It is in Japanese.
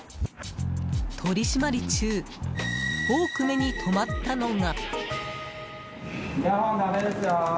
取り締まり中多く目に留まったのが。